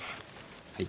はい。